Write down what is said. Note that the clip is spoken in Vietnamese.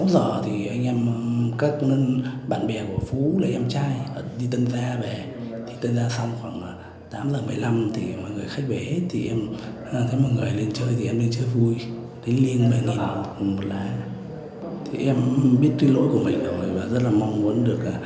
xin kính chào quý vị và các bạn